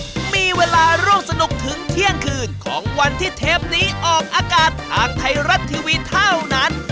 วันนี้มีเวลาร่วมสนุกถึงเที่ยงคืนของวันที่เทปนี้ออกอากาศทางไทยรัฐทีวีเท่านั้น